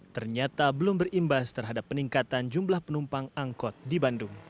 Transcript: ternyata belum berimbas terhadap peningkatan jumlah penumpang angkot di bandung